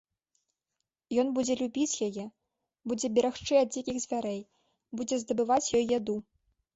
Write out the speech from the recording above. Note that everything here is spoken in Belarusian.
Ён будзе любіць яе, будзе берагчы ад дзікіх звярэй, будзе здабываць ёй яду.